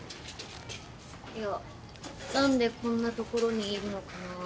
いや何でこんな所にいるのかなって。